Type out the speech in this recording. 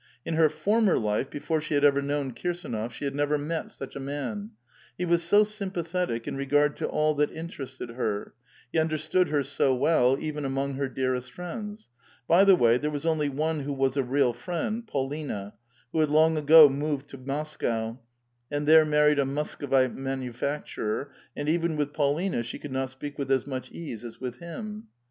In her former life, before she had ever known Kirsdnof, she had never met such a man ; he was so sympathetic in regard to all that in terested her; he understood her so well, even among her dearest friends — bv the wav, there was only one who was a real friend, Paulina, who had long ago moved to Moscow, and there married a Muscovite manufacturer, and even with Paulina she could not speak with as much ease as with him.